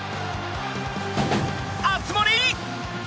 熱盛！